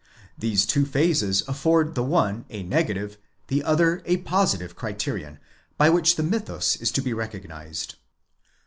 These two phases afford the one a negative, the other a positive criterion, by which the mythus is to be recognised.